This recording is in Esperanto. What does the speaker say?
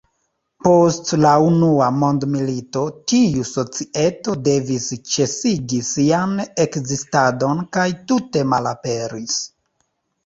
Post la Unua Mondmilito tiu societo devis ĉesigi sian ekzistadon kaj tute malaperis.